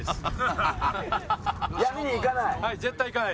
闇に行かない？